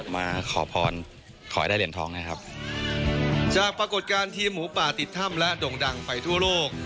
มาขอพรขอให้ได้เหรียญทองนะครับจากปรากฏการณ์ทีมหมูป่าติดถ้ำและด่งดังไปทั่วโลก